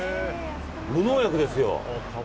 無農薬ですよ。